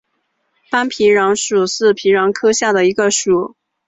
斑皮蠹属是皮蠹科下的一个属。